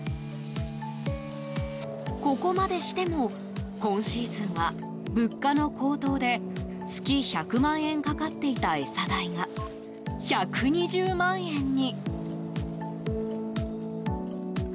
ここまでしても今シーズンは物価の高騰で月１００万円かかっていた餌代が１２０万円に。